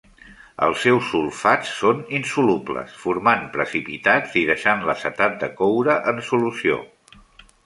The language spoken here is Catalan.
Els seus sulfats són insolubles, formant precipitats i deixant l'acetat de coure en solució.